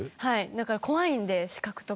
だから怖いので死角とか。